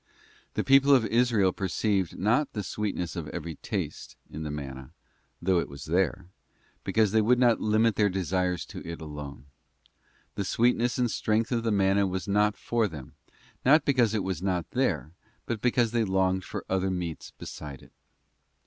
The people of Israel perceived not the sweetness of every taste in the manna, though it was there, because they would not limit their desires to it alone. The sweetness and strength of the manna was not for them, not because it was not there, but because they longed for other meats beside it.